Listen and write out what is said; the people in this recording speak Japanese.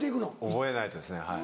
覚えないとですねはい。